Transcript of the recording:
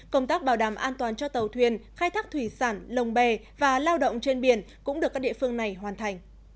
công tác bảo đảm an toàn cho tàu thuyền khai thác thủy sản lồng bè và lao động trên biển cũng được các địa phương này hoàn thành